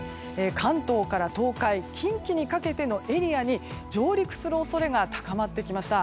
関東から東海・近畿にかけてのエリアに上陸する恐れが高まってきました。